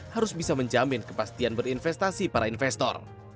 harus bisa menjamin kepastian berinvestasi para investor